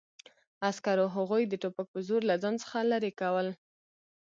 عسکرو هغوی د ټوپک په زور له ځان څخه لرې کول